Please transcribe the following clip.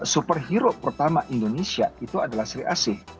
superhero pertama indonesia itu adalah sri asih